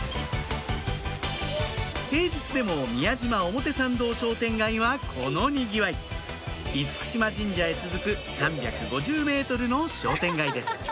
平日でも宮島表参道商店街はこのにぎわい嚴島神社へ続く３５０ｍの商店街です